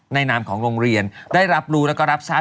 นามของโรงเรียนได้รับรู้แล้วก็รับทราบ